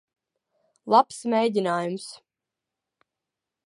Labs mēģinājums.